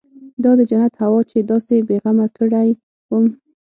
دا د جنت هوا چې داسې بې غمه کړى وم.